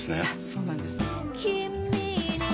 そうなんです。